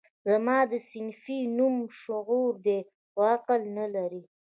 زما ده صنفي نوم شعور دی خو عقل نه لري